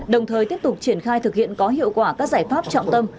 đồng thời tiếp tục triển khai thực hiện có hiệu quả các giải pháp trọng tâm